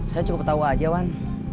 saya cukup tahu aja wan